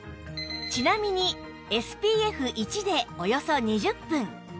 ちなみに ＳＰＦ１ でおよそ２０分